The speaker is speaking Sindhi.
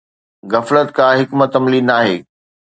غفلت ڪا حڪمت عملي ناهي